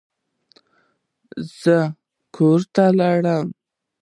زه کور ته لاړم.